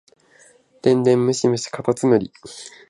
電電ムシムシかたつむり